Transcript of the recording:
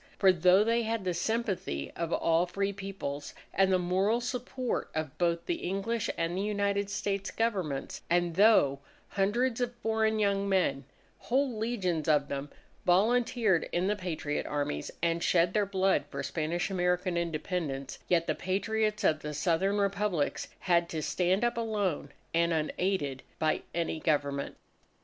For though they had the sympathy of all free Peoples, and the moral support of both the English and the United States Governments, and though hundreds of foreign young men whole legions of them volunteered in the Patriot Armies and shed their blood for Spanish American Independence, yet the Patriots of the Southern Republics had to stand up alone and unaided by any Government.